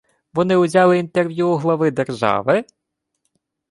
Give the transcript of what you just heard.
Вони узяли інтерв'ю у глави держави?